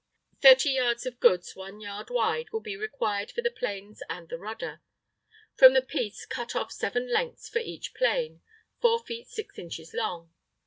Thirty yards of goods 1 yard wide will be required for the planes and the rudder. From the piece cut off 7 lengths for each plane, 4 feet 6 inches long.